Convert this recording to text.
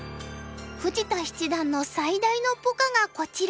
富士田七段の最大のポカがこちら。